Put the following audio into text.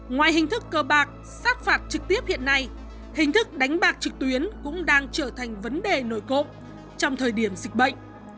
ngoài hình thức cơ bạc sát phạt trực tiếp hiện nay hình thức đánh bạc trực tuyến cũng đang trở thành vấn đề nổi cộng trong thời điểm dịch bệnh